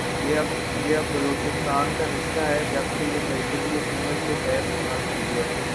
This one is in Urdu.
یہ اب بلوچستان کا حصہ ھے جبکہ یہ مرکزی حکومت کے تحت ھوناچاھیے۔